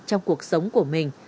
trong cuộc sống của mình